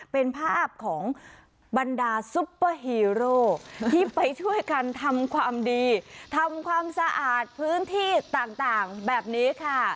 เป็นภาพของบรรดาซุปเปอร์ฮีโร่ที่ไปช่วยกันทำความดีทำความสะอาดพื้นที่ต่างแบบนี้ค่ะ